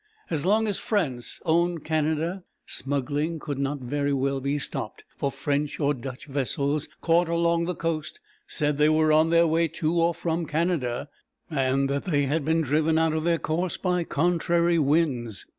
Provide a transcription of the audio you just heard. As long as France owned Canada, smuggling could not very well be stopped, for French or Dutch vessels caught along the coast said that they were on their way to or from Canada, and that they had been driven out of their course by contrary winds.